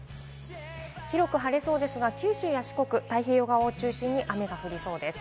広く晴れそうですが、九州や四国、太平洋側を中心に雨が降りそうです。